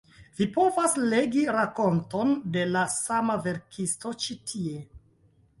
Vi povas legi rakonton de la sama verkisto ĉi tie.